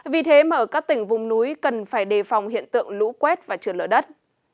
vì thế mà ở các tỉnh vùng núi cần phải đề phòng hiện tượng lũ quét và trượt lở đất